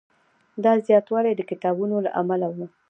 دا زیاتوالی د کتابونو له امله و.